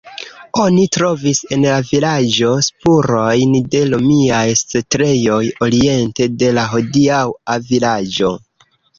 Oni trovis en la vilaĝo spurojn de romiaj setlejoj oriente de la hodiaŭa vilaĝo.